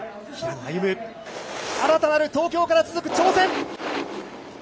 平野歩夢、新たなる東京から続く挑戦。